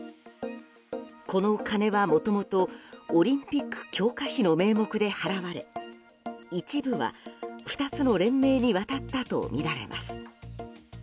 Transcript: この金はもともとオリンピック強化費の名目で払われ一部は２つの連盟に渡ったとみられます。